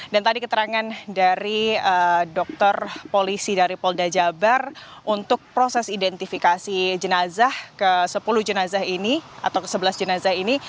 dan tadi keterangan dari dokter polisi dari polda jabar untuk proses identifikasi jenazah ke sepuluh jenazah ini atau ke sebelas jenazah ini